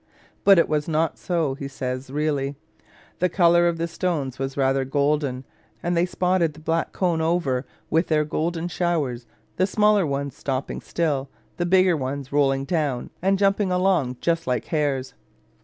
But it was not so, he says, really. The colour of the stones was rather "golden, and they spotted the black cone over with their golden showers, the smaller ones stopping still, the bigger ones rolling down, and jumping along just like hares."